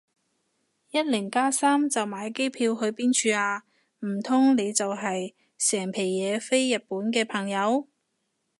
一零加三就買機票去邊處啊？唔通你就係成皮嘢飛日本嘅朋友